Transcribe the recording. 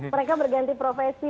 mereka berganti profesi